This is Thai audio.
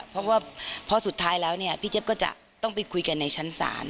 เพราะว่าพอสุดท้ายแล้วเนี่ยพี่เจี๊ยบก็จะต้องไปคุยกันในชั้นศาล